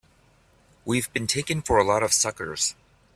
We've been taken for a lot of suckers!